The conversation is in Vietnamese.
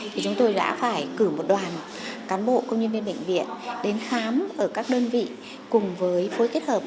thì chúng tôi đã phải cử một đoàn cán bộ công nhân viên bệnh viện đến khám ở các đơn vị cùng với phối kết hợp